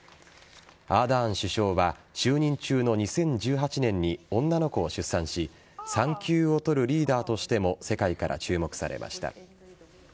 アーダーン首相は就任中の２０１８年に女の子を出産し産休を取るリーダーとしても世界から注目されました。